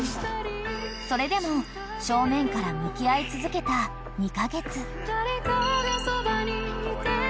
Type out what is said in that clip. ［それでも正面から向き合い続けた２カ月］